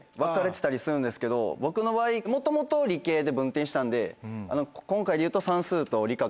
僕の場合元々理系で文転したんで今回で言うと。